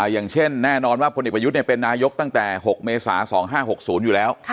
อย่างเช่นแน่นอนว่าพลเอกประยุทธ์เป็นนายกตั้งแต่๖เมษา๒๕๖๐อยู่แล้ว